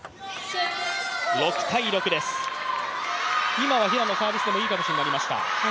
今は平野、サービスでもいい形になりました。